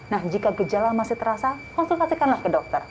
nah jika gejala masih terasa konsultasikanlah ke dokter